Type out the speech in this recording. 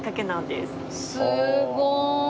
すごい！